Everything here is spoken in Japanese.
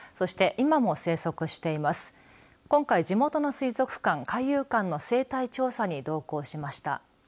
今回、地元の水族館海遊館の生態調査に同行しました。